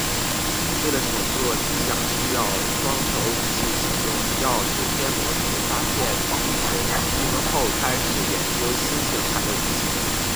为了乘坐机甲需要双手武器启动钥匙天魔族发现巨神兵后开始研究新形态的武器。